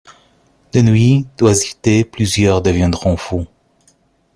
D'ennui, d'oisiveté, plusieurs deviendront fous.